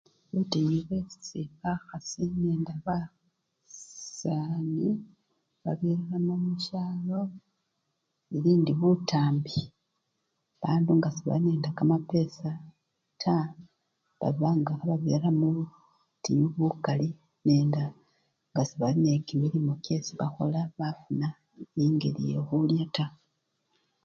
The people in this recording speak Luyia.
Butinyu bwesi bakhasi nende basani babiriramo musyalo ili indi butambi, bandu nga sebali nende kamapesa taa babanga khebabirira mubutinyu bukali nabi nende nga sebali nende kimilimo kyesi bakhola bafuna engeli yekhulya taa.